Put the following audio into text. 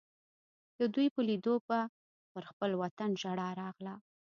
د دوی په لیدو به پر خپل وطن ژړا راغله.